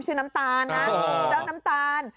น้ำตาลนะเจ้าน้ำตาล